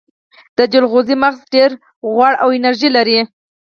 د جلغوزیو مغز ډیر غوړ او انرژي لري.